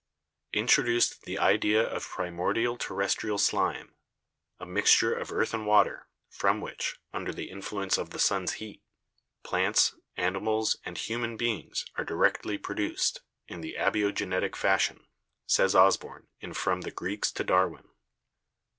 C.) "introduced the idea of primordial terrestrial slime, a mixture of earth and water, from which, under the influence of the sun's heat, plants, animals and human beings are directly produced — in the abiogenetic fashion," says Osborn in 'From the Greeks to Darwin.'